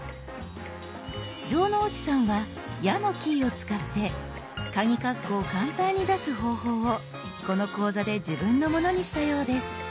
城之内さんは「や」のキーを使ってカギカッコを簡単に出す方法をこの講座で自分のものにしたようです。